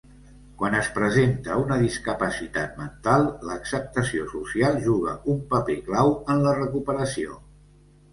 Quan es presenta una discapacitat mental, l'acceptació social juga un paper clau en la recuperació.